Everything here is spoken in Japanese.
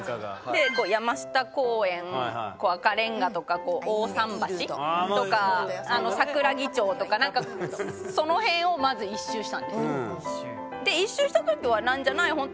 で山下公園赤レンガとか大さん橋とか桜木町とかなんかその辺をまず１周したんですよ。